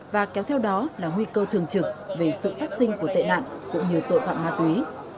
và kéo theo đó là nguy cơ thường trực về sự phát sinh của tệ nạn cũng như tội phạm ma túy